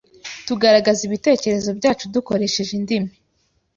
Tugaragaza ibitekerezo byacu dukoresheje indimi.